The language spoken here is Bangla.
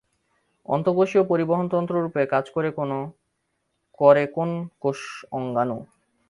অন্তঃকোষীয় পরিবহনতন্ত্ররূপে কাজ করে কোন কোষ অঙ্গাণু?